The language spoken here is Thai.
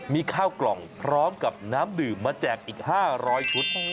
มีข้าวกล่องพร้อมกับน้ำดื่มมาแจกอีก๕๐๐ชุด